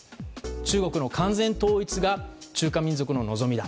中国の完全統一が中華民族の望みだ。